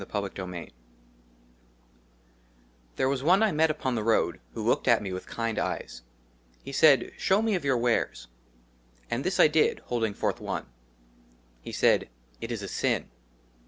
^^ 33 XXXIII THERE WAS ONE I MET UPON THE ROAD WHO LOOKED AT ME WITH KIND EYES, HE SAID, " SHOW ME OF YOUR WARES." AND THIS I DID, HOLDING FORTH ONE. HE SAID, *' IT IS A SIN."